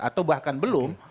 atau bahkan belum